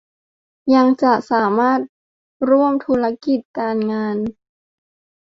ยังจะสามารถร่วมธุรกิจการงาน